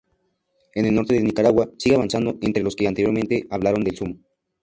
En el nordeste de Nicaragua, sigue avanzando entre los que anteriormente hablaban el Sumo.